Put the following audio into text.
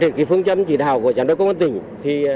trên phương chấm chỉ đạo của chán đối công an tỉnh